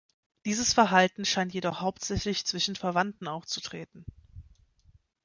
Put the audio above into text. Dieses Verhalten scheint jedoch hauptsächlich zwischen Verwandten aufzutreten.